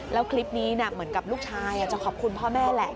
แล้วคลิปนี้เหมือนกับลูกชายจะขอบคุณพ่อแม่แหละ